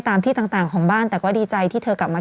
ที่ต่างของบ้านแต่ก็ดีใจที่เธอกลับมา